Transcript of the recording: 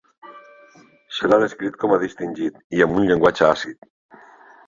Se l'ha descrit com a "distingit" i amb un llenguatge àcid.